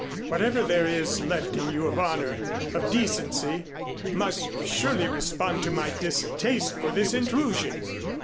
Whatever there is left in you of honor of decency, must surely respond to my distaste for this intrusion."